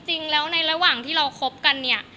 จริงแล้วในระหว่างที่เราคบกันเนี่ย